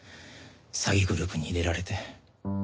詐欺グループに入れられて。